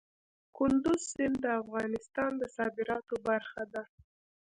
کندز سیند د افغانستان د صادراتو برخه ده.